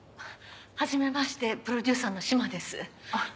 はじめましてプロデューサーの島です。